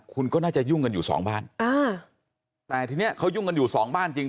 คุณก็น่าจะยุ่งกันอยู่สองบ้านอ่าแต่ทีเนี้ยเขายุ่งกันอยู่สองบ้านจริง